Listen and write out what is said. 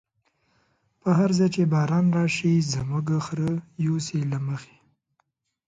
په هر ځای چی باران راشی، زموږ خره يوسی له مخی